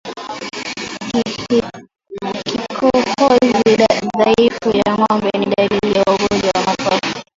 Kikohozi dhaifu kwa ngombe ni dalili ya ugonjwa wa mapafu